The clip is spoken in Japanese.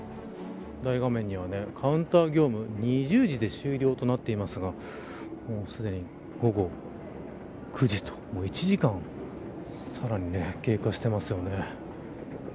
大画面にはカウンター業務２０時で終了となっていますがもうすでに、午後９時と１時間さらに経過していますよね。